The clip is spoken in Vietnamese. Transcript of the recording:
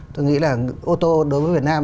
tôi nghĩ là ô tô đối với việt nam